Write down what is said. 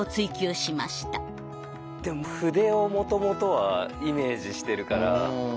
でも筆をもともとはイメージしてるから。